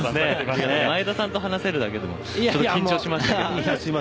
前田さんと話せるだけでも緊張しました。